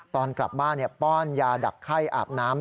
ตอนกลับบ้านป้อนยาดักไข้อาบน้ำ